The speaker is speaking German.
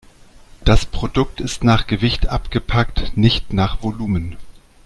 Das Produkt ist nach Gewicht abgepackt, nicht nach Volumen.